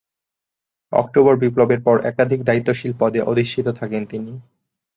October বিপ্লবের পর একাধিক দায়িত্বশীল পদে অধিষ্ঠিত থাকেন তিনি।